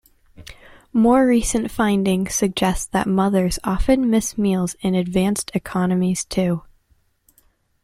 More recent findings suggested that mothers often miss meals in advanced economies too.